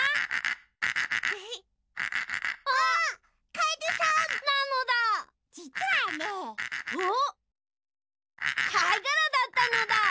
かいがらだったのだ。